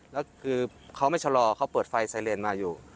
แล้วคือเขาไม่ชะลอเขาเปิดไฟไซเรนมาอยู่